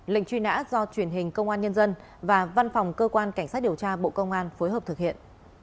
lệnh truy nã do truyền hình công an nhân dân và văn phòng cơ quan cảnh sát điều tra bộ công an phối hợp thực hiện